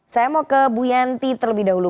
saya mau ke bu yanti terlebih dahulu